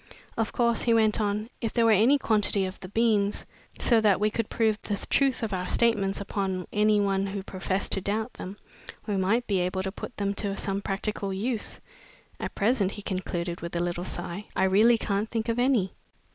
Of course," he went on, "if there were any quantity of the beans, so that we could prove the truth of our statements upon any one who professed to doubt them, we might be able to put them to some practical use. At present," he concluded, with a little sigh, "I really can't think of any."